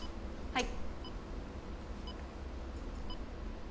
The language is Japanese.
はい。